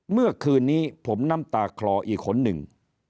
เมื่อคืนนี้ผมน้ำตาคลออีกคนหนึ่ง